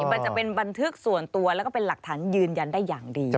มันจะเป็นบันทึกส่วนตัวแล้วก็เป็นหลักฐานยืนยันได้อย่างดี